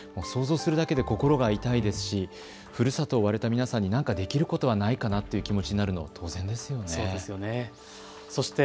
想像するだけで心が痛いですし、ふるさとを追われた皆さんに何かできることはないかなという気持ちになるの当然ですよね。